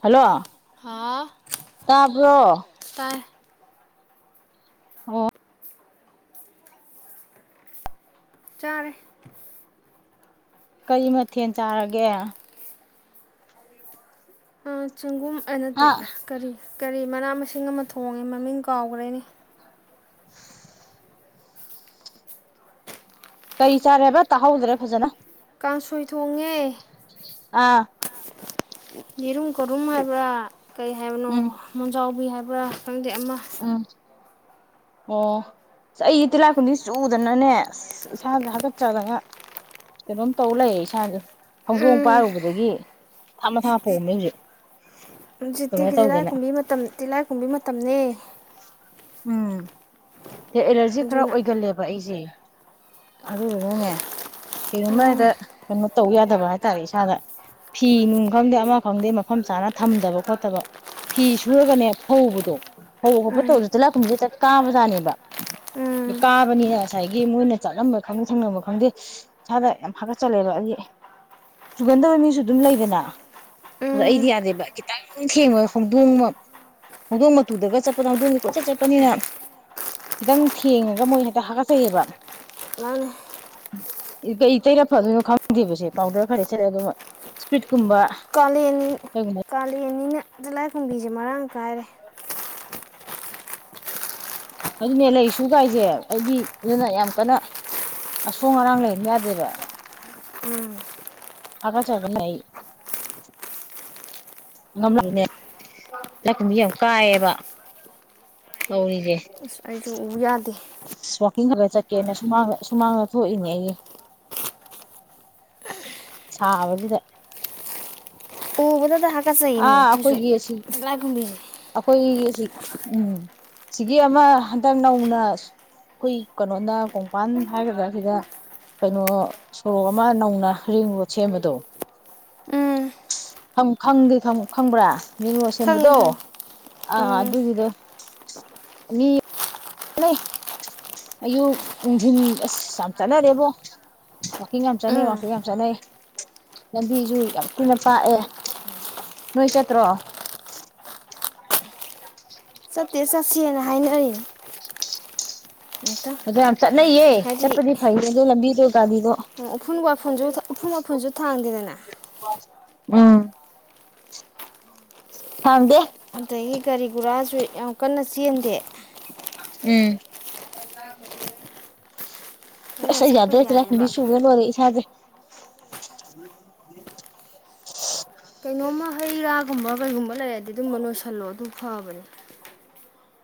[inaudible] hello ꯍꯥꯎ ꯇꯕ꯭ꯔꯣ ꯇꯥꯏ ꯑꯣ ꯆꯔꯦ ꯀꯔꯤ ꯃꯊꯦꯜ ꯆꯥꯔꯒꯦ ꯆꯪꯒꯣꯝ ꯑꯦ ꯅꯠꯇꯦ ꯑꯥ ꯀꯔꯤ ꯀꯔꯤ ꯃꯅꯥ ꯃꯁꯤꯡ ꯑꯃ ꯊꯣꯡꯉꯦ ꯃꯃꯤꯡ ꯀꯥꯎꯈ꯭ꯔꯦꯅꯦ [inaudible] ꯀꯔꯤ ꯆꯥꯔꯦꯕ ꯇꯥꯍꯧꯗ꯭ꯔꯦ ꯐꯖꯅ ꯀꯥꯡꯁꯣꯏ ꯊꯣꯡꯉꯦ ꯑ ꯏꯔꯨꯝ ꯈꯨꯔꯨꯝꯃꯕ ꯀꯩ ꯍꯥꯏꯦꯕꯅ ꯎꯝ ꯃꯨꯖꯥꯎ ꯀꯏ ꯍꯥꯏꯕ ꯈꯪꯗꯦ ꯑꯃ ꯎꯝ ꯑꯣ ꯆꯍꯤ ꯇꯤꯂꯥ ꯀꯨꯟꯗꯤ ꯆꯨꯗꯅꯅꯦꯁ ꯏꯁꯥꯥꯁ ꯍꯥꯀꯠꯆꯗꯅ ꯀꯩꯅꯣꯝ ꯇꯧ ꯂꯩꯌꯦ ꯏꯁꯥꯥꯁ ꯍꯧꯪꯒꯣꯡꯝ ꯄꯥꯔꯨꯕꯗꯒꯤ ꯊꯥ ꯃꯊꯥ ꯄꯣꯝꯃꯤꯁꯦ ꯖꯤꯛꯇꯤꯒꯤ ꯇꯤꯂꯥꯏ ꯀꯨꯝꯕꯤ ꯃꯇꯝ ꯇꯤꯂꯥꯏ ꯀꯨꯝꯕꯤ ꯃꯇꯝꯅꯤꯅꯦ ꯎꯝ ꯗ ꯑꯦꯂꯔꯖꯤ ꯈꯔ ꯑꯗꯨꯅ ꯑꯣꯏꯒꯜꯂꯦꯕ ꯑꯩꯁꯦ ꯑꯗꯨꯗꯨꯅꯅꯦ ꯀꯩꯅꯨꯝꯃ ꯍꯦꯛꯇ ꯀꯩꯅꯣ ꯇꯧ ꯌꯥꯗꯕ ꯍꯥꯏꯇꯥꯔꯦ ꯏꯁꯥꯗ ꯐꯤ ꯅꯨꯡ ꯈꯪꯗꯦ ꯑꯃ ꯈꯪꯗꯦ ꯃꯐꯝ ꯆꯥꯅ ꯊꯝꯗꯕ ꯈꯣꯠꯇꯕ ꯐꯤ ꯁꯨꯔꯒꯅꯦ ꯐꯧꯕꯗꯣ ꯐꯧꯕ ꯈꯣꯠꯄ ꯎꯝ ꯇꯧꯕꯗ ꯆꯤꯂꯥꯛꯈꯨꯝꯁꯦ ꯆꯠ ꯀꯥꯕꯖꯥꯅꯦꯕ ꯎꯝ ꯀꯥꯕꯅꯤꯅ ꯉꯁꯥꯏꯒꯤ ꯃꯣꯏꯅ ꯆꯠꯂꯝꯕ ꯈꯪꯗꯦ ꯁꯪꯂꯝꯕ ꯈꯪꯗꯦ ꯏꯁꯥꯗ ꯌꯥꯝ ꯍꯥꯀꯠꯆꯜꯂꯦꯕ ꯑꯩꯗꯤ ꯆꯨꯒꯟꯗꯕ ꯃꯤꯁꯨ ꯑꯗꯨꯝ ꯂꯩꯗꯅ ꯑꯗꯨꯗ ꯎꯝ ꯑꯩꯗꯤ ꯌꯥꯗꯦꯕ ꯈꯤꯇꯪ ꯊꯦꯡꯉꯣꯏ ꯍꯧꯣꯡꯗꯣꯡ ꯍꯧꯣꯡꯗꯣꯡ ꯃꯇꯨꯗꯒ ꯆꯠꯄꯗ ꯍꯧꯗꯣꯡꯁ ꯀꯣꯏꯆꯠ ꯆꯠꯄꯅꯤꯅ ꯈꯤꯇꯪ ꯊꯦꯡꯉꯒ ꯃꯣꯏ ꯍꯦꯛꯇ ꯍꯥꯀꯠꯆꯩꯑꯕ ꯃꯥꯅꯦ ꯀꯩ ꯇꯩꯔ ꯐꯗꯣꯏꯅꯣ ꯈꯪꯗꯦꯕꯁꯦ ꯄꯥꯎꯗꯔ ꯐꯔꯦꯛ ꯁ ꯑꯗꯨꯝ ꯏꯁꯄꯤꯠ ꯀꯂꯤ ꯀꯥꯂꯤ ꯀꯦꯅꯤꯅ ꯂꯥꯏꯈꯨꯝꯕꯤꯁꯦ ꯃꯔꯥꯡ ꯀꯥꯏꯔꯦ ꯑꯗꯨꯅꯦ ꯂꯩꯁꯨ ꯀꯥꯏꯁꯦ ꯑꯩꯗꯤ ꯑꯗꯨꯅ ꯌꯥꯝ ꯀꯟꯅ ꯑꯁꯣꯡ ꯑꯔꯥꯡ ꯂꯩꯍꯟꯕ ꯌꯥꯗꯦꯕ ꯑꯀ ꯆꯕ ꯂꯩ ꯉꯝꯂꯅꯦ ꯂꯀꯗꯤ ꯌꯥꯝ ꯀꯥꯏꯌꯦꯕ ꯇꯧꯔꯤꯁꯦ ꯑꯁ ꯑꯩꯁꯨ ꯎ ꯌꯥꯗꯦ ꯏꯤꯡ ꯈꯔ ꯆꯠꯀꯦꯅ ꯁꯨꯃꯥꯡꯗ ꯁꯨꯃꯥꯡꯗ ꯊꯣꯛꯏꯅꯦ ꯑꯩꯁꯦ ꯁꯥꯕꯁꯤꯗ ꯎ ꯃ ꯍꯥꯏ ꯀꯖꯩꯌꯦ ꯃꯤ ꯑꯥ ꯑꯩꯈꯣꯏꯁꯨ ꯑꯩꯈꯣꯏꯒꯤ ꯑꯁꯤ ꯂꯥꯏꯒꯨꯝꯕꯤꯅꯦ ꯑꯩꯈꯣꯏꯒꯤ ꯁꯤ ꯎꯝ ꯁꯤꯒꯤ ꯑꯃ ꯍꯟꯗꯛ ꯅꯧꯅ ꯑꯩꯈꯣꯏ ꯀꯩꯅꯣꯅ ꯀꯣꯡꯄꯥꯟ ꯍꯥꯏꯒꯗ꯭ꯔꯥ ꯁꯤꯗ ꯀꯩꯅꯣ ꯁꯣꯔꯣꯛ ꯑꯃ ꯅꯧꯅ ꯔꯤꯡ ꯔꯣ ꯁꯦꯝꯕꯗꯣ ꯎꯝ ꯈꯪꯗꯦ ꯈꯪꯕ꯭ꯔꯥ ꯅꯤꯡꯉꯣ ꯈꯪꯉꯤ ꯁꯦꯝꯕꯗꯣ ꯈꯪꯉꯤ ꯑ ꯎꯝ ꯑꯗꯨꯗꯗꯤꯗ ꯑꯌꯨꯛ ꯅꯨꯡꯊꯜ ꯑꯁ ꯌꯥꯝ ꯆꯠꯅꯔꯦꯕꯣ ꯋꯥꯛꯀꯤꯡ ꯌꯥꯝ ꯆꯠꯅꯩ ꯎꯝ ꯋꯥꯛꯀꯤꯡ ꯌꯥꯝ ꯆꯠꯅꯩ ꯂꯝꯕꯤꯁꯨ ꯌꯥꯝ ꯊꯤꯅ ꯄꯥꯛꯑꯦ ꯅꯣꯏ ꯆꯠꯇ꯭ꯔꯣ ꯆꯠꯇꯦ ꯆꯠꯁꯦꯅ ꯍꯥꯏꯅꯔꯤꯅꯦ [inaudible] ꯑꯗꯣ ꯌꯥꯝ ꯆꯠꯅꯩꯌꯦ ꯆꯠꯄꯗꯤ ꯐꯩꯌꯦ ꯑꯗꯣ ꯂꯝꯕꯤ ꯎ ꯎꯐꯨꯨꯁꯨ ꯎꯐꯨ ꯃꯥꯐꯨꯟꯁꯨ ꯊꯥꯡꯗꯦꯗꯅ ꯎꯝ ꯊꯪꯗꯦ ꯑꯗꯒꯤ ꯒꯥꯔꯤ ꯒꯨꯔꯥꯁꯨ ꯌꯥꯝ ꯀꯟꯅ ꯆꯦꯟꯗꯦ ꯎꯝ ꯑꯗꯨꯅ ꯑꯁ ꯑꯩ ꯆꯠꯄ ꯌꯥꯗ꯭ꯔꯦꯁꯤꯔꯅꯤ ꯌꯥꯏꯑꯕ ꯁꯨꯕ ꯂꯣꯏꯔꯦ ꯏꯁꯥꯁꯦ [inaudible] ꯀꯩꯅꯣꯝꯃ ꯍꯩ ꯔꯥ ꯨꯒꯨꯝꯕ ꯀꯩꯒꯨꯝꯕ ꯂꯩꯔꯗꯤ ꯑꯗꯨꯝꯕ ꯅꫭꯏꯁꯤꯜꯂꯣ ꯑꯗꯨ ꯐꯕꯅꯦ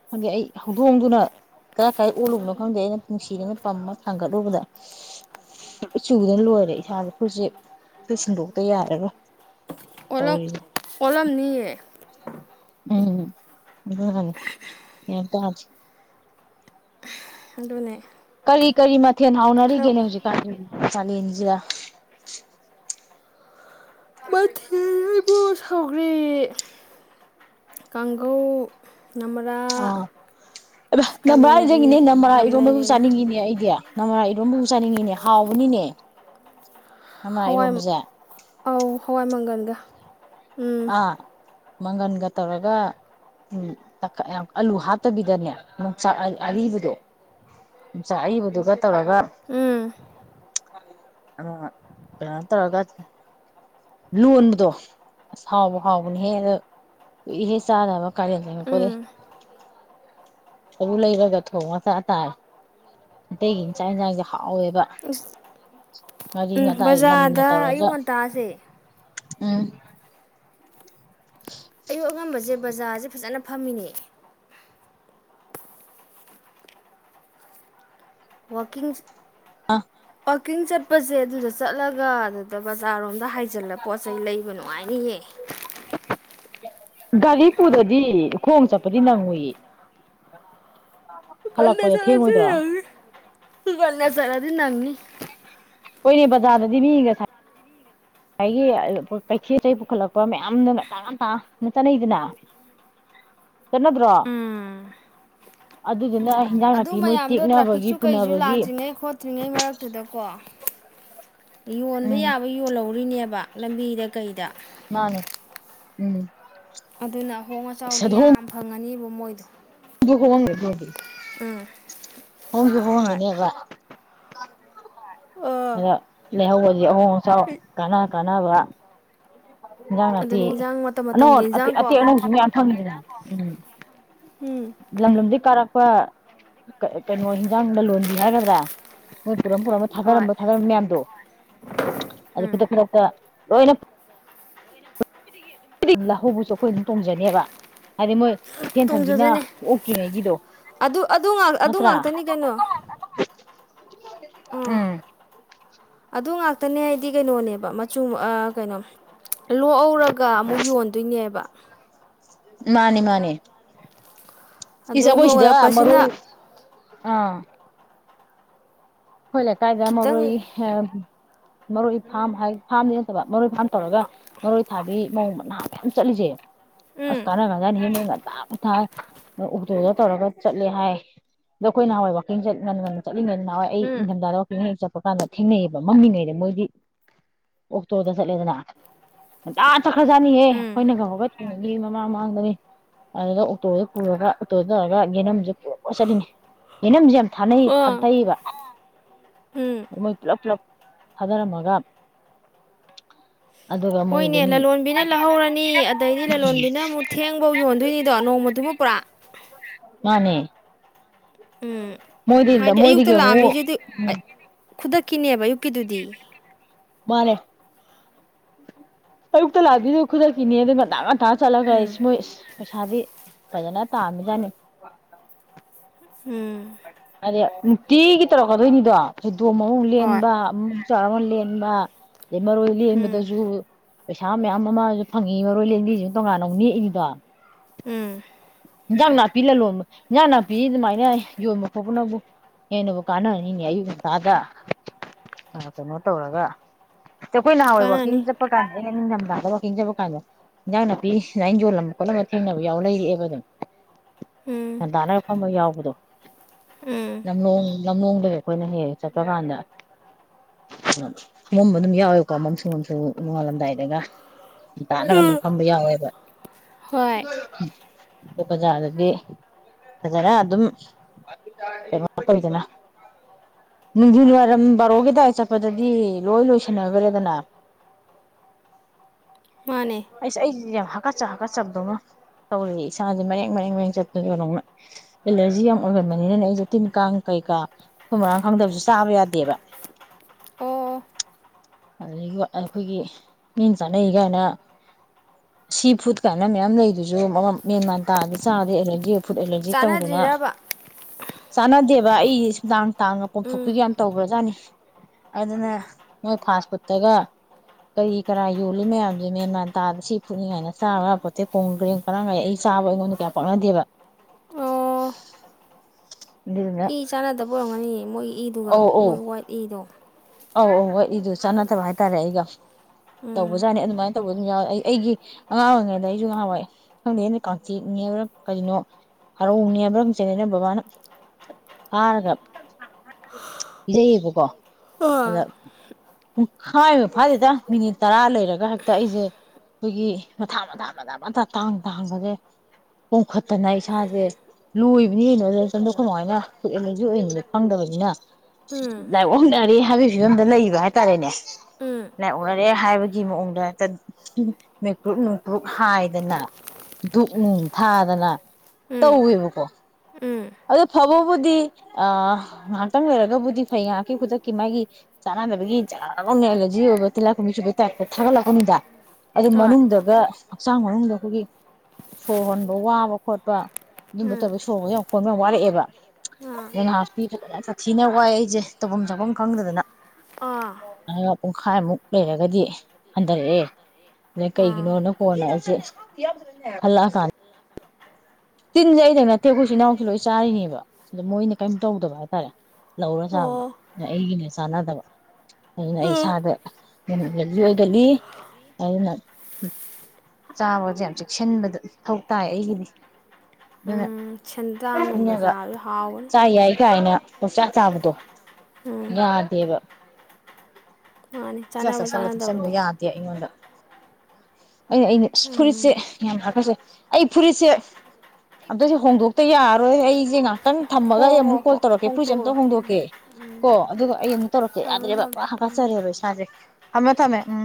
ꯈꯪꯗꯦ ꯑꯩ ꯍꯧꯗꯣꯡꯗꯨꯅ ꯀꯔꯥꯏ ꯀꯔꯥꯏ ꯑꯣꯜꯂꯨꯕꯅꯣ ꯈꯪꯗꯦ ꯑꯩꯅ ꯅꯨꯡꯁꯤꯗꯅ ꯄꯝꯃ ꯊꯥꯡꯒꯠꯂꯨꯕꯗ [unintelligible] ꯆꯨꯗꯅ ꯂꯣꯏꯔꯦ ꯏꯁꯥꯗ ꯐꯨꯔꯤꯠꯁꯦ ꯐꯨꯔꯤꯠ ꯁꯤꯟꯗꯣꯛꯇ ꯌꯥꯔꯔꫭꯏ ꯑꯣꯜꯂꯝ ꯇꯧꯔꯤꯖꯦ ꯑꯣꯜꯂꯝꯅꯤꯌꯦ ꯎꯝ [unintelligible] ꯑꯗꯨꯅꯦ ꯀꯔꯤ ꯀꯔꯤ ꯃꯠ ꯊꯦꯟ ꯈꯔ ꯍꯥꯎꯅꯔꯤꯒꯦꯅꯦ ꯍꯧꯖꯤꯛꯀꯥꯟꯖꯤ ꯆꯅꯦꯟꯖꯤꯥ [unintelligible] ꯔꯤ ꯀꯥꯡꯒꯧ ꯑ ꯅꯃꯔꯥ ꯅꯝꯕꯥꯔ ꯍꯥꯏꯔꯥ ꯅꯤꯡꯖꯡ ꯉꯤꯅꯦ ꯀꯥꯂꯦꯟꯒꯤ ꯅꯝꯕꯥꯔ ꯌꯥꯝ ꯏꯔꯣꯝꯕꯕꯨ ꯂꯩꯔꯦꯅ ꯆꯥꯅꯤꯡꯉꯤꯅꯦ ꯑꯩꯗꯤ ꯅꯃꯝꯕꯥꯔ ꯏꯔꫭꯝꯕꯕꯨ ꯆꯥꯅꯤꯡꯉꯤꯅꯦ ꯍꯥꯎꯕꯅꯤꯅꯦ ꯅꯃꯔꯥ ꯍꯋꯥꯏ ꯏꯔꯣꯝꯕꯁꯦ ꯑꯥꯎ ꯍꯋꯥꯏ ꯃꯪꯒꯜꯒ ꯎꯝ ꯑꯥ ꯃꯪꯒꯟꯒ ꯇꯧꯔꯒ [unintelligible] ꯇꯈꯠ ꯌꯥꯝ ꯑꯂꯨ ꯍꯥꯞꯇꯕꯤꯗꯅꯦ ꯌꯣꯡꯆꯥꯛ ꯑ ꯑꯔꯤꯕꯗꯣ ꯌꯣꯡꯆꯥꯛ ꯑꯔꯤꯕꯗꯨꯒ ꯇꯧꯔꯒ ꯎꯝ [unintelligible] ꯀꯩꯅꯣ ꯇꯧꯔꯒ ꯂꯣꯟꯕꯗꯣ ꯑꯁ ꯍꯥꯎꯕꯨ ꯍꯥꯎꯕꯅ ꯍꯦ ꯑꯗꯨ ꯀꯨꯏꯔꯦ ꯆꯥꯗꯕ ꯀꯥꯂꯦꯟ ꯆꯪꯉꯛꯄꯥꯗꯦ ꯑꯗꯨ ꯂꯩꯔꯒ ꯊꯣꯡꯉ ꯆ ꯇꯥꯔꯦ ꯑꯦꯒꯤ ꯆꯥꯛ ꯏꯟꯖꯡꯖꯩ ꯍꯧ ꯑꯁ ꯉꯥꯔꯤ [unintelligible] ꯎꯝ ꯉꯇꯥꯏ ꯅꯝꯅ ꯕꯖꯥꯔꯗ ꯑꯌꯨꯛ ꯇꯧꯔꯒ ꯉꯟꯇꯥꯁꯦ ꯎꯝ ꯑꯉꯝꯕꯖꯦ ꯕꯖꯥꯔꯖꯦ ꯐꯖꯅ ꯐꯝꯃꯤꯅꯦ ꯋꯥꯀꯤꯡꯁ ꯑ [unintelligible] ꯄꯀꯤꯡ ꯆꯠꯄꯁꯦ ꯑꯗꯨꯗ ꯆꯠꯂꯒ ꯑꯗꯨꯗ ꯕꯖꯥꯔꯔꯣꯝꯗ ꯍꯥꯏ ꯖꯤꯜꯂ ꯄꯣꯠ ꯆꯩ ꯂꯩꯕ ꯉꯥꯏꯅꯤ ꯍꯦ ꯒꯥꯔꯤ ꯄꯨꯗ꯭ꯔꯗꯤ ꯈꯣꯡ ꯆꯠꯄꯗꯤ ꯅꯪꯉꯨꯏꯌꯦ ꯍꯂꯛ ꯉꯟꯅ ꯄꯗ ꯆꯠꯂꯗꯤ ꯊꯦꯡꯉꯣꯏꯗ꯭ꯔꯣ ꯅꯪꯅꯤ ꯉꯟꯅ ꯖꯠꯂꯗꯤ ꯅꯪꯅꯤ ꯍꫭꯏꯅꯦ ꯕꯖꯥꯔꯗꯗꯤ ꯃꯤ ꯉꯁꯥꯏ ꯉꯁꯥꯏꯒꯤ ꯀꯩꯊꯦꯠ ꯄꫭꯠ ꯆꯩꯩ ꯄꯨꯈꯠꯂꯛꯄ ꯃꯌꯥꯝꯅ ꯉꯪꯇꯥ ꯉꯇꯥꯅ ꯆꯠꯅꯩꯗꯅ ꯆꯠꯅꯗ꯭ꯔꯣ ꯎꯝ ꯑꯗꯨꯗꯨꯅ ꯍꯤꯟꯖꯥꯡ ꯑꯗꯨ ꯅꯥꯄꯤ ꯃꯣꯏ ꯃꯌꯥꯝꯗꯣ ꯇꯦꯛꯅꯕꯒꯤ ꯇ꯭ꯔꯥꯐꯤꯛꯁꯨ ꯀꯩꯁꯨ ꯄꯨꯅꯕꯒꯤ ꯂꯥꯛꯇ꯭ꯔꯤꯉꯩ ꯈꯣꯠꯇ꯭ꯔꯤꯉꯩ ꯃꯔꯛꯇꯨꯗꯀꯣ ꯌꯣꯟꯕ ꯎꯝ ꯌꯥꯕ ꯌꯣꯜꯍꯧꯔꯤꯅꯦꯕ ꯂꯝꯕꯤꯗ ꯀꯩꯗ ꯃꯥꯅꯦ ꯎꯝ ꯑꯗꯨꯅ ꯑꯍꯣꯡ ꯑꯆꯥꯎꯗꯤ ꯌꯥꯝ ꯐꯪꯉꯅꯤꯕꯨ ꯃꫭꯏꯗꫭ [unintelligible] [unintelligible] ꯍꫭꯡꯗꯤ ꯍꫭꯡꯉꯝ ꯍꯣꯏ ꯒꯥꯅꯦꯕ ꯑꯥ ꯍꯌ ꯂꯩꯍꯧꯋꯦ ꯑꯍꯣꯡ ꯑꯆꯥꯎ ꯀꯅꯥ ꯀꯅ ꯑꯅꯥ ꯋꯥ ꯍꯤꯡꯖꯥꯡ ꯅꯥꯄꯤ ꯑꯗꯨꯅꯦ ꯏꯟꯖꯥꯡ ꯃꯇꯝ ꯑꯅꯧ ꯃꯇꯝꯒꯤ ꯑꯠ ꯑ ꯏꯟꯖꯥꯡ ꯀꯣ ꯑꯇꯦꯛ ꯑꯅꯧꯕꯁꯨ ꯃꯌꯥꯝ ꯊꯪꯉꯤꯗꯅ ꯎꯝ ꯎꯝ ꯂꯪ ꯂꯨꯝꯗꯩ ꯀꯥꯔꯛ ꯄ ꯀ ꯀꯩꯅꯣ ꯍꯤꯟꯖꯥꯡ ꯂꯂꯣꯟꯕꯤ ꯍꯥꯏꯒꯗ꯭ꯔꯥ ꯄꯨꯔꯝ ꯄꯨꯔꯝꯕ ꯍꯣꯏ ꯊꯥꯗꯔꯝꯕ ꯊꯥꯗꯔꯝꯕ ꯃꯌꯥꯝꯗꯣ ꯑꯗꯨ ꯈꯨꯗꯛ ꯈꯨꯗꯛ ꯇ ꯂꯣꯏꯅ ꯍꯥꯏꯗꯤ ꯂꯍꯧꯕꯁꯨ ꯑꯩꯈꯣꯏ ꯑꯗꯨꯝ ꯇꯣꯡꯖꯅꯦꯕ ꯍꯥꯏꯗꯤ ꯃꯣꯏ ꯏꯊꯦꯟ ꯊꯟꯕꯤꯅ ꯇꯨꯡꯖꯗꯣꯅꯦ ꯑꯣꯛꯇ꯭ꯔꯤꯉꯩꯒꯤꯗꯣ ꯑꯗꯨ ꯑꯗꯨ ꯉꯥꯛ ꯑꯗꯨ ꯅꯠꯇ꯭ꯔꯥ ꯉꯥꯛꯇꯅꯤ ꯀꯩꯅꯣ ꯎ ꯎꯝ ꯑꯗꯨ ꯉꯥꯛꯇꯅꯦꯗꯤ ꯗꯤ ꯀꯩꯅꯣꯅꯦꯕ ꯃꯆꯨ ꯀꯩꯅꯣ ꯂꯣꯛꯍꯧꯔꯒ ꯑꯃꯨꯛ ꯌꯣꯟꯗꯣꯏꯅꯦꯕ ꯃꯥꯅꯦ ꯃꯥꯅꯦ ꯑꯗꯣ ꯏꯁ ꯍꯣꯏꯁꯤꯗ ꯌꯣꯜꯂꯛꯄꯁꯤꯅ ꯃꯔꯔ ꯑꯥ ꯍꯣꯏꯂ ꯀꯥꯏꯗ ꯃꯒꯣꯏ ꯈꯤꯇꯪ ꯃꯔꯣꯏ ꯐꯥꯝ ꯍꯥꯏ ꯐꯥꯝꯗꯤ ꯅꯠꯇꯕ ꯃꯔꯣꯏ ꯐꯥꯝ ꯄꯔꯒ ꯃꯔ ꯄ ꯊꯥꯕꯤ ꯃꯑꯣꯧ ꯃꯅꯥ ꯃꯌꯥꯝ ꯆꯠꯂꯤꯁꯦ ꯎꯝ ꯑꯁ ꯀꯅꯥꯒꯗꯅꯤ ꯑꯊ ꯑꯊ ꯑꯣꯇꯣꯗ ꯇꯧꯔꯒ ꯆꯠꯂꯦ ꯍꯥꯏ ꯑꯗꯣ ꯑꯩꯈꯣꯏ ꯅꯍꯥꯟꯋꯥꯏ ꯋꯥꯛꯀꯤꯡ ꯉ ꯉ ꯆꯠꯂꯤꯉꯩꯗ ꯅꯍꯥꯟꯋꯥꯏ ꯑꯩ ꯎꯝ ꯅꯤꯡꯊꯝꯊꯥꯗ ꯋꯥ ꯄꯉꯦꯛ ꯆꯠꯄ ꯀꯥꯟꯗ ꯊꯦꯡꯅꯩꯌꯦꯕ ꯃꯝꯂꯤꯉꯩꯗ ꯃꯣꯏꯗꯤ ꯑꯣꯛꯇꯣꯗ ꯆꯠꯂꯦꯗꯅ ꯉꯟꯇꯥ ꯆꯠꯈ꯭ꯔꯖꯥꯠꯅꯤꯍꯦ ꯎꯝ ꯑꯩꯈꯣꯏꯅ ꯀꯧꯔꯒ ꯇꯤꯡꯉꯒꯤ ꯃꯃꯥꯡ ꯃꯃꯥꯡꯗꯅꯤ ꯑꯗꯨꯗ ꯑꯣꯛꯇꯣꯗ ꯄꯨꯔꯒ ꯑꯣꯇꯣꯗ ꯇꯧꯔꯒ ꯌꯦꯅꯝꯁꯦ ꯄꯨꯂ ꯆꯠꯂꯤꯅꯤ ꯌꯦꯅꯝꯁꯦ ꯌꯥꯝ ꯊꯅ ꯑ ꯊꯝꯇꯕ ꯎꯝ ꯄꯨꯂꯞ ꯐ꯭ꯂꯞ ꯁꯥꯅ ꯃꯥ ꯍꯣꯏꯅꯦ ꯂꯂꯣꯟꯕꯤꯅ ꯂꯧꯍꯧꯔꯅꯤ ꯑꯗꯩꯗꯤ ꯂꯂꯣꯟꯕꯤꯅ ꯑꯃꯨꯛ ꯊꯦꯡꯕꯧ ꯌꯣꯟꯗꯣꯏꯅꯤꯗꯣ ꯅꯣꯡꯃꯗꯨꯃ ꯄꯨꯔꯛꯥ ꯃꯣꯗꯗ ꯍꯥꯏꯗꯤ ꯑꯌꯨꯛꯇ ꯃꯣꯗꯤꯒ ꯍꯨ ꯀꯤꯅꯦꯕ ꯌꯨ ꯄꯄꯤꯗꯨꯗꯤ ꯃꯥꯔꯦ ꯑꯌꯛꯇ ꯂꯥꯛꯗꯗꯤꯈꯣꯏꯗ ꯏꯅꯦ ꯑꯗꯨꯒꯤ ꯉꯟꯥꯡ ꯉꯟ ꯆꯠꯂꯒ ꯑꯩꯁ ꯃꯣꯏ ꯄꯩꯁꯥꯗꯤ ꯐꯖꯅ ꯇꯖꯅꯤ ꯎꯝ ꯑꯦ ꯅꯨꯡꯇꯤꯒꯤ ꯇꯧꯔꯛꯀꯗꯣꯏꯅꯤꯗꯣ ꯣ ꯃꯑꯣꯡ ꯍꯣꯏ ꯂꯦꯟꯕ ꯆꯃꯂꯅꯃ ꯂꯩꯃꯔ ꯎꯝ ꯑꯣꯏꯣꯏꯗꯁꯨ ꯄꯩꯁꯥ ꯃꯌꯥꯝ ꯑꯃꯁꯨ ꯐꯪꯉꯤ ꯃꯔꯣꯏꯂꯦꯟꯒꯤꯁꯤꯁꯨ ꯇꯣꯉꯥꯟꯅ ꯑꯃꯨꯛ ꯅꯦꯛꯏꯅꯤꯗꯣ ꯎꯝ ꯏꯟꯖꯥꯡ ꯅꯥꯄꯤ ꯂꯂꯣꯟꯕ ꯏꯟꯖꯥꯡ ꯅꯥꯄꯤꯁꯤ ꯑꯗꯨꯃꯥꯏꯅ ꯌꯣꯟꯕ ꯈꯣꯠꯄꯅꯕꯨ ꯍꯦꯟꯅꯕꯨ ꯀꯥꯟꯅꯔꯅꯤꯅꯦ ꯑꯌꯨꯛ ꯉꯟꯇꯥꯗ ꯀꯩꯅꯣ ꯇꯧꯔꯒ ꯆꯦꯈꯣꯏ ꯅꯍꯥꯟꯋꯥꯏ ꯋꯥꯛꯀꯤꯡ ꯀꯥꯟꯅꯅꯤ ꯆꯠꯄꯥ ꯀꯥꯟꯗꯩꯅ ꯅꯤꯡꯊꯝꯕ ꯊꯕꯛ ꯍꯤꯡꯖꯕ ꯀꯥꯟꯗ ꯍꯤꯟꯖꯥꯡ ꯅꯥꯄꯤ ꯁꯨꯃꯥꯏꯅ ꯌꯣꯜꯂꯝꯕ ꯈꯣꯠꯂꯝꯕ ꯊꯦꯡꯅꯕ ꯌꯥꯎ ꯂꯩꯔꯛꯑꯦꯕ ꯑꯗꯨꯝ ꯎꯝ ꯗꯥꯅ ꯐꯝꯕ ꯌꯥꯎꯕꯗꯣ ꯎꯝ ꯂꯝꯂꯣꯡ ꯂꯝꯂꯣꯡ ꯗꯒꯥ ꯑꯩꯈꯣꯏꯅ ꯍꯦꯛ ꯍꯦꯛ ꯆꯠꯄ ꯀꯥꯟꯗ ꯐꯝ ꯃꯝꯕ ꯁꯨ ꯌꯥꯎꯋꯦꯕꯀꯣ ꯃꯝꯁꯨ ꯃꯝꯁꯨ ꯅꯣꯡꯉꯥꯜꯂꯝꯗꯥꯏꯗꯒ ꯉꯟꯇꯥꯅꯒ ꯑꯗꯨꯝ ꯎꯝ ꯐꯝꯕ ꯌꯥꯎꯋꯦꯕ ꯍꯣꯏ ꯑꯣ ꯕꯖꯥ꯭ꯔꯗꯒꯤ ꯐꯖꯔ ꯑꯗꯨꯝ ꯀꯩꯅꯣ ꯇꯧꯏꯗꯅ ꯅꯨꯡꯊꯤꯜ ꯋꯥꯏꯔꯝ ꯕꯥꯔꯣ ꯀꯗꯥꯋꯥꯏ ꯆꯠꯄꯗꯗꯤ ꯂꯣꯏ ꯂꯣꯏꯁꯟꯅꯈ꯭ꯔꯦꯗꯅ ꯃꯥꯅꯦ ꯑꯩꯁ ꯑꯩꯁꯦ ꯌꯥꯝ ꯍꯥꯀꯠꯆ ꯍꯥꯀꯠꯆꯕꯗꯧꯅ ꯇꯧꯔ ꯏꯁꯥꯁꯦ ꯃꯔꯦꯛ ꯃꯔꯦꯛ ꯃꯔꯦꯡ ꯆꯞꯄ ꯀ ꯑꯦꯂꯔꯖꯤ ꯌꯥꯝ ꯑꯣꯏꯒꯟꯕꯅꯤꯅ ꯑꯩꯁꯨꯦ ꯇꯤꯟ ꯀꯥꯡ ꯀꯩꯀꯥ ꯊꯨꯝ ꯃꯔꯥꯡ ꯈꯪꯗꯕꯁꯨ ꯆꯥꯕ ꯌꯥꯗꯦꯕ ꯑꯣ ꯑꯗꯨꯗꯒꯤ ꯑꯩꯈꯣꯏꯒꯤ ꯃꯤꯅ ꯆꯥꯅꯩ ꯀꯥꯏꯅ ꯁꯤ ꯐꯨꯗ ꯀꯥꯏꯅ ꯃꯌꯥꯝ ꯂꯩꯗꯨꯁꯨ ꯃꯦꯟꯃꯥꯟ ꯇꯥꯗ ꯆꯥꯔꯗ ꯑꯦꯂꯔꯖꯤ ꯐꯨꯗ ꯑꯦꯂꯔꯖꯤ ꯇꯧꯗꯅ ꯆꯥꯟꯅꯗ꯭ꯔꯤꯔꯕ ꯆꯥꯟꯅꯗꯦꯕ ꯑꯩ ꯁꯨꯗꯥꯡ ꯇꯥꯡꯉ ꯎꯝ ꯄꯣꯝꯊꯣꯛꯄꯤꯒ ꯌꯥꯝ ꯇꯧꯕ꯭ꯔꯖꯥꯠꯅꯤ ꯑꯗꯨꯅ ꯃꯣꯏ ꯐꯥꯁ ꯐꯨꯗꯠꯇꯒ ꯀꯔꯤ ꯀꯔꯥ ꯌꯣꯜꯂꯤ ꯃꯌꯥꯝꯁꯦ ꯃꯦꯟ ꯃꯥꯟ ꯇꯥꯗ ꯁꯤ ꯐꯨꯠꯅꯤꯡꯉꯥꯏꯅ ꯆꯥꯔꯒ ꯄꯣꯠꯇꯦꯛ ꯈꯣꯡ ꯀ꯭ꯔꯦꯡ ꯀꯔꯝ ꯀꯥꯏ ꯑꯩ ꯆꯥꯕ ꯑꯩꯉꯣꯟꯗ ꯀꯌꯥ ꯄꯥꯛꯅꯗꯦꯕ ꯑꯣ ꯑꯗꯨꯗꯨꯅ ꯏ ꯆꯥꯟꯅꯗꯕꯔꯝꯒꯅꯤ ꯃꯣꯏꯒꯤ ꯏ ꯑꯗꯨꯒ ꯑꯧ ꯑꯧ ꯃꯣꯏ ꯋꯥꯏꯠ ꯏꯗꯣ ꯑꯧ ꯑꯧ ꯍꯣꯏ ꯑꯩꯗꯨ ꯆꯥꯟꯅꯗꯕ ꯍꯥꯏꯇꯥꯔꯦ ꯑꯩꯒ ꯇꯧꯕꯖꯥꯠꯅꯤ ꯑꯗꯨꯃꯥꯏꯅ ꯇꯧꯕ ꯑꯗꯨꯝ ꯌꯥꯎꯋꯦ ꯑꯩ ꯑꯩꯒꯤ ꯑꯉꯥꯡ ꯑꯣꯏꯔꯤꯉꯩꯗ ꯑꯩꯁꯨ ꯉꯍꯥ ꯍꯏ ꯈꯪꯗꯦ ꯍꯗ ꯀꯆꯤꯠꯅꯦꯕ꯭ꯔ ꯀꯔꯤꯅꯣ ꯍꯔꯥꯎꯅꯦꯕ꯭ꯔ ꯈꯪꯁꯦꯅꯦ ꯑꯩꯅ ꯕꯕꯥꯅ ꯐꯥꯔꯒ ꯄꯤꯖꯩꯌꯦꯕꯀꯣ ꯑꯗ ꯑ ꯄꯨꯡꯈꯥꯏ ꯃ ꯐꯥꯁꯤꯦꯗ ꯃꯤꯅꯤꯠ ꯇꯔꯥ ꯂꯩꯔꯒ ꯍꯦꯛꯇ ꯑꯩꯁꯦ ꯑꯩꯈꯣꯏꯒꯤ ꯃꯊꯥ ꯃꯊꯥ ꯃꯊ ꯃꯊ ꯇꯥꯡ ꯇꯥꯡꯕꯁꯦ ꯄꯣꯈꯠꯇꯅ ꯏꯁꯥꯁꯦ ꯂꯣꯏꯕꯅꯦꯅꯗ ꯆꯪꯗꯣꯛꯀꯃꯥꯏꯅꯂꯔꯖꯤ ꯑꯣꯏꯅ ꯐꯪꯗꯕꯁ ꯅ ꯎꯝ ꯂꯥꯏꯑꯣꯡꯅꯔꯦ ꯍꯥꯏꯕꯒꯤ ꯐꯤꯕꯝꯗ ꯂꯩꯕ ꯍꯥꯏꯇꯥꯔꯦꯅꯦ ꯎꯝ ꯂꯥꯏꯑꯣꯛꯅꯔꯦ ꯍꯥꯏꯕꯒꯤ ꯃꯑꯣꯡꯗ ꯍꯦꯛꯇ ꯃꯩꯀ꯭ꯔꯨꯨꯞ ꯅꯨꯡꯀ꯭ꯔꯨꯨꯞ ꯍꯥꯏꯗꯅ ꯙꯛ ꯅꯨꯡ ꯊꯥꯗꯅ ꯎꯝ ꯇꯧꯋꯦꯕꯀꯣ ꯎꯝ ꯑꯗꯨꯗ ꯐꯕꯕꯨꯗꯤ ꯑ ꯉꯥꯏꯍꯥꯛꯇꯪ ꯂꯩꯔꯒꯕꯨꯗꯤ ꯐꯩ ꯉꯥꯏꯍꯥꯛꯀꯤ ꯈꯨꯗꯛꯀꯤ ꯃꯥꯒꯤ ꯆꯥꯅꯅꯕꯒꯤ ꯆꯛꯅꯤ ꯑꯦꯂꯔꯖꯤ ꯑꯣꯏꯕ ꯇꯤꯜꯂꯛꯈꯨꯝꯕꯤ ꯁꯨꯕ ꯇꯥꯏꯞꯇ ꯊꯥꯒꯠꯂꯛꯄꯅꯤꯗ ꯑꯗꯨ ꯍꯣꯏ ꯃꯅꯨꯡꯗꯒ ꯍꯛꯆꯥꯡ ꯃꯅꯨꯡꯗ ꯑꯩꯈꯣꯏꯒꯤ ꯁꯣꯔ ꯍꯣꯟꯕ ꯋꯥꯕ ꯈꯣꯠꯄ ꯑꯗꯨꯝꯕ ꯎꯝ ꯇꯔ ꯁꯦ ꯍꯣꯟꯕ ꯌꯥꯝ ꯋꯥꯔꯛꯑꯦꯕ ꯑꯥ ꯅ ꯉꯄꯤ ꯁꯥꯊꯤꯅ ꯋꯥꯏ ꯑꯩꯁꯦ ꯇꯧꯐꯝ ꯆꯥꯐꯝ ꯈꯪꯗꯗꯅ ꯑꯥ ꯄꯨꯡꯈꯥꯏꯃꯨꯛ ꯂꯩꯔꯒꯗꯤ ꯍꯟꯊꯔꯛꯑꯦ ꯑꯗꯩ ꯑꯥ ꯀꯩꯒꯤꯅꯣꯅꯀꯣꯅ ꯑꯩꯁꯦ ꯍꯜꯂꯛꯑꯀꯥꯟꯗ ꯇꯤꯟ ꯖꯦ ꯑꯩꯅ ꯅꯦ ꯏꯦꯛ ꯑꯩꯈ ꯏꯆ ꯏꯅꯥꯎꯁꯨ ꯂꯣꯏ ꯆꯥꯔꯤꯅꯦꯕ ꯑꯗ ꯃꯣꯏꯅ ꯀꯩꯝ ꯇꯧꯗꯕ ꯍꯥꯏꯦ ꯍ ꯂꯧꯔꯣ ꯆꯥꯕꯗꯣ ꯑꯣ ꯑꯩꯒꯤꯅꯦ ꯁꯅꯗꯕ ꯑꯩꯅ ꯏꯁꯥꯗ ꯃꯃꯗꯤ ꯑꯣꯏꯒꯜꯂꯤ ꯑꯗꯨꯅ ꯆꯥꯕꯁꯦ ꯌꯥꯝ ꯆꯦꯛꯁꯤꯟꯕꯗ ꯃꯊꯧ ꯇꯥꯏ ꯑꯩꯒꯤꯗꯤ ꯎꯝ ꯑꯗꯨꯅ ꯁꯦꯟꯗ꯭ꯔꯥꯡꯒꯨꯝꯕ ꯃꯤꯅꯒ ꯆꯥꯕꯁꯨ ꯍꯥꯎꯕꯅꯤ ꯆꯥ ꯌꯥꯏ ꯀꯥꯏꯅ ꯄꯪꯆꯥ ꯆꯥꯕꯗꯣ ꯎꯝ ꯌꯥꯗꯦꯕ ꯃꯥꯅꯤ ꯎꯝ ꯆ ꯆꯥꯅꯕ ꯆꯠꯁꯟꯂ ꯊꯨꯞꯁꯟꯕ ꯆꯥꯅꯗꯕꯗꯣ ꯌꯥꯗꯦ ꯑꯩꯉꯣꯟꯗ ꯑꯩꯅ ꯑꯩꯅ ꯑꯁ ꯐꯨꯔꯤꯠꯁꯦ ꯎꯝ ꯌꯥꯝ ꯍꯥꯀꯁꯦ ꯑꯩ ꯐꯨꯔꯤꯠꯁꯦ ꯑꯝꯇꯁꯦ ꯍꯣꯡꯗꯣꯛꯇ ꯌꯥꯔꯔꯣꯏ ꯑꯩꯁꯦ ꯉꯥꯛꯇꯪ ꯊꯨꯝꯃꯒ ꯍꯣ ꯑꯩ ꯑꯃꯨꯛ ꯍꯣ ꯍꯣ ꯀꯣꯜ ꯇꯧꯔꯛꯀꯦ ꯐꯨꯔꯤꯁꯦ ꯍꯣꯡꯇꯣꯛꯎꯔꯣ ꯑꯃꯝꯇ ꯎꯝ ꯍꯣꯡꯗꯣꯛꯀꯦꯣ ꯑꯗꯨꯒ ꯑꯩ ꯑꯃꯨꯛ ꯇꯧꯔꯛꯀꯦ ꯊꯝꯃꯣ ꯌꯥꯗ꯭ꯔꯦꯕ ꯊꯝꯃꯣ ꯄꯨꯔ ꯍꯥꯞꯀꯠꯆꯔꯦꯕꯁꯦ ꯑꯃꯦ ꯊꯃꯦ ꯎꯝ